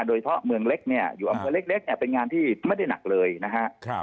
โดยเฉพาะเมืองเล็กเนี่ยอยู่อำเภอเล็กเนี่ยเป็นงานที่ไม่ได้หนักเลยนะฮะ